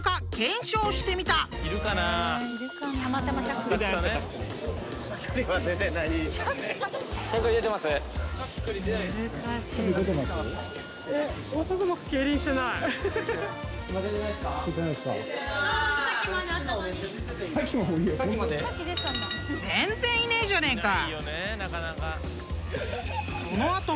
なかなか。